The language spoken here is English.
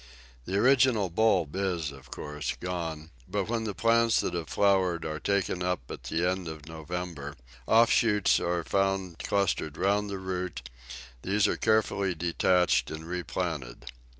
The original bulb is, of course, gone, but when the plants that have flowered are taken up at the end of November, offsets are found clustered round the root; these are carefully detached and replanted.